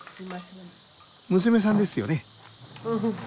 娘さんですよね？